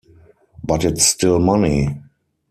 But it's still money.